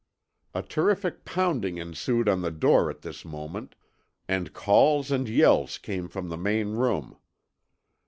"A terrific pounding ensued on the door at this moment and calls and yells came from the main room.